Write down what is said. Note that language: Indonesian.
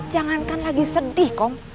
jangankan lagi sedih kong